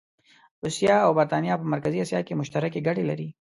روسیه او برټانیه په مرکزي اسیا کې مشترکې ګټې لري.